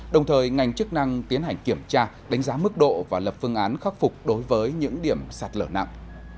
đồng thời ngành chức năng tiến hành kiểm tra đánh giá mức độ và lập phương án khắc phục đối với những điểm sạt lở nặng